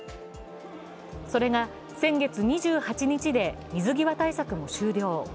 それが先月２８日で水際対策も終了。